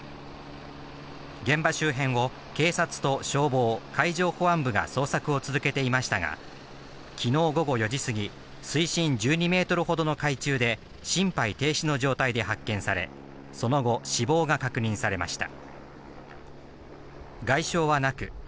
現場周辺を警察と消防、海上保安部が捜索を続けていましたが、きのう午後４時過ぎ、水深１２ｍほどの海中で心肺停止の状態で発見され、その後、死亡が確認されました。